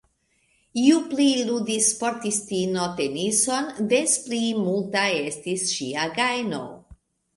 Ju pli ludis sportistino tenison, des pli multa estis ŝia gajno.